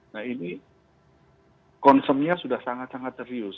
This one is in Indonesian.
nah ini concernnya sudah sangat sangat serius